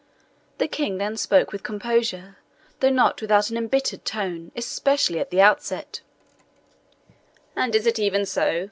The King then spoke with composure, though not without an embittered tone, especially at the outset: "And is it even so?